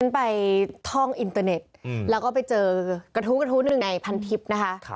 ไปท่องอินเตอร์เน็ตแล้วก็ไปเจอกระทู้กระทู้หนึ่งในพันทิพย์นะคะ